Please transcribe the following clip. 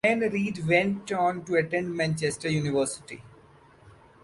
Mayne Reid went on to attend Manchester University.